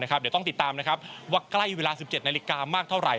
เดี๋ยวต้องติดตามนะครับว่าใกล้เวลา๑๗นาฬิกามากเท่าไห